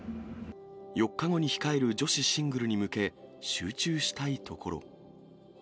４日後に控える女子シングルに向け、集中したいところ。